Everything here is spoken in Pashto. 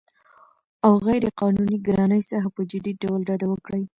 او غیرقانوني ګرانۍ څخه په جدي ډول ډډه وکړي